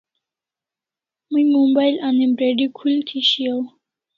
May mobile ani battery khul thi shiaw